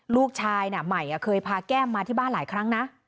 ลูกชายใหม่เคยพาแก้มมาที่บ้านหลายครั้งนะ